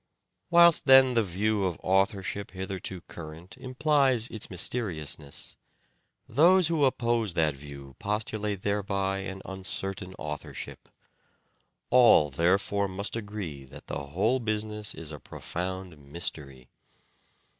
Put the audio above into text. Whilst then the view of authorship hitherto current implies its mysteriousness, those who oppose that view postulate thereby an uncertain authorship. All there fore must agree that the whole business is a profound mystery.